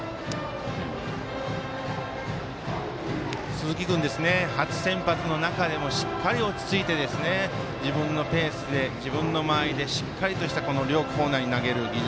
鈴木君、初先発の中でもしっかり落ち着いて自分のペースで自分の間合いでしっかりとした両コーナーに投げる技術